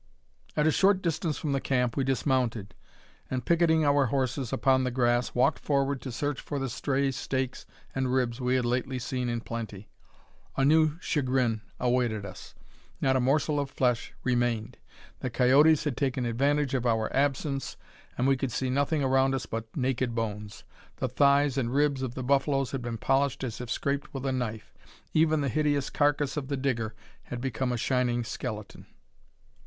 At a short distance from the camp we dismounted, and, picketing our horses upon the grass, walked forward to search for the stray steaks and ribs we had lately seen in plenty. A new chagrin awaited us; not a morsel of flesh remained! The coyotes had taken advantage of our absence, and we could see nothing around us but naked bones. The thighs and ribs of the buffaloes had been polished as if scraped with a knife. Even the hideous carcass of the Digger had become a shining skeleton!